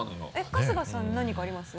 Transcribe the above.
春日さん何かあります？